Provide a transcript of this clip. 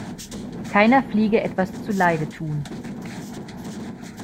Keiner Fliege etwas zuleide tun.